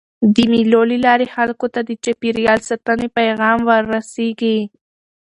د مېلو له لاري خلکو ته د چاپېریال ساتني پیغام وررسېږي.